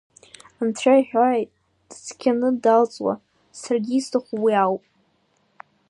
Анцәа иҳәааит дыцқьаны далҵуа, саргьы исҭаху уи ауп.